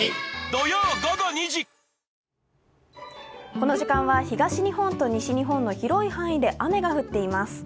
この時間は東日本と西日本の広い範囲で雨が降っています。